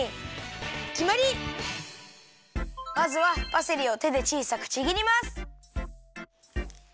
まずはパセリをてでちいさくちぎります。